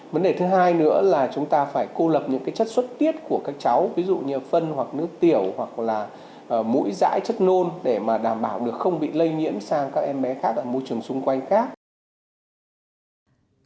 vấn đề thứ hai nữa là chúng ta phải cô lập những chất xuất tiết của các cháu ví dụ như phân hoặc nước tiểu hoặc là mũi dãi chất nôn để mà đảm bảo được không bị lây nhiễm sang các em bé khác ở môi trường xung quanh khác